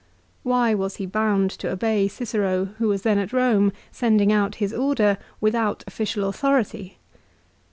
Why was he bound to obey Cicero who was then at Rome, sending out his order , without official authority